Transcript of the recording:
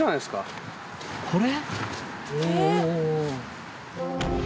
これ？